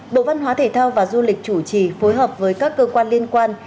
bộ văn hóa thể thao và du lịch chủ trì phối hợp với các cơ quan liên quan